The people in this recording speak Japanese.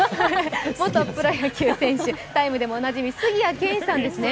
元プロ野球選手、「ＴＩＭＥ，」でおなじみ、杉谷拳士さんですね。